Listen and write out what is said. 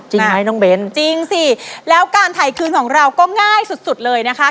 จริงไหมน้องเบ้นจริงสิแล้วการถ่ายคืนของเราก็ง่ายสุดสุดเลยนะคะ